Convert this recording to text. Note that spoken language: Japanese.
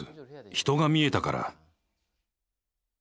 人が見えたから。